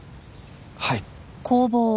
はい。